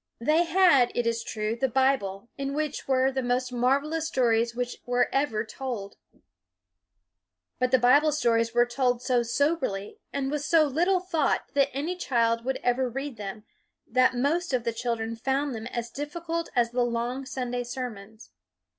They had, it is true, the Bible in which were the most marvelous stories which were ever told; but the Bible stories were told so soberly and with so little thought that any child would ever read them that most of the children found them as difficult as the long Sunday sermons.